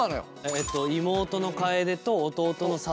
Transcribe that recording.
えっと妹の楓と弟の聡。